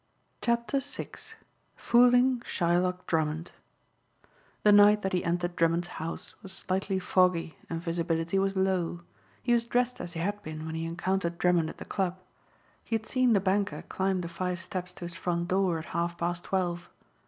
CHAPTER VI FOOLING SHYLOCK DRUMMOND THE night that he entered Drummond's house was slightly foggy and visibility was low. He was dressed as he had been when he encountered Drummond at the club. He had seen the banker climb the five steps to his front door at half past twelve.